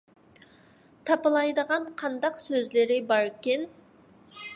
تاپىلايدىغان قانداق سۆزلىرى باركىن؟